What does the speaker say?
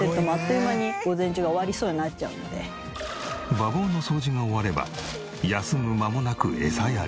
馬房の掃除が終われば休む間もなくエサやり。